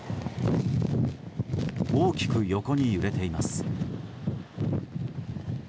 大きく横に揺れています。